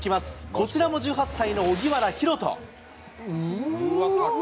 こちらも１８歳の荻原大翔。